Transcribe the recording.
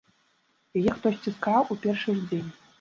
Яе хтосьці скраў у першы ж дзень.